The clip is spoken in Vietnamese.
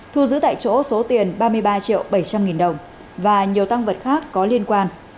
thu giữ tại chỗ số tiền ba mươi ba triệu bảy trăm linh nghìn đồng và nhiều tăng vật khác có liên quan